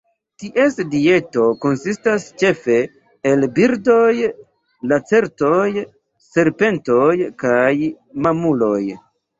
Ties dieto konsistas ĉefe el birdoj, lacertoj, serpentoj kaj mamuloj.